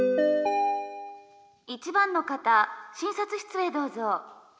１番の方診察室へどうぞ。